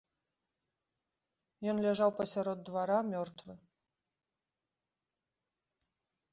Ён ляжаў пасярод двара мёртвы.